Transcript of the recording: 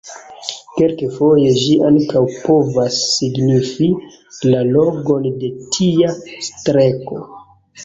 Kelkfoje ĝi ankaŭ povas signifi la longon de tia streko.